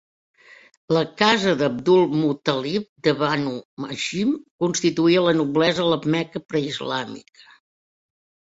La casa d'Abdul-Muttalib de Banu Hashim constituïa la noblesa a la Meca preislàmica.